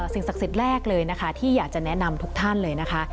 สิ่งศักดิ์สิทธิ์แรกเลยนะคะที่อยากจะแนะนำทุกท่านเลยนะคะ